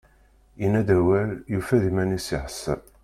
Yenna-d awal, yufa-d iman-is iḥṣel.